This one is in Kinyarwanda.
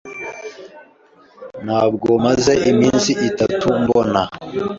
Ntabwo maze iminsi itatu mbona.